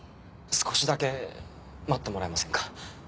少しだけ待ってもらえませんか。